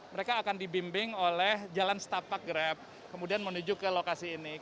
mereka akan dibimbing oleh jalan setapak grab kemudian menuju ke lokasi ini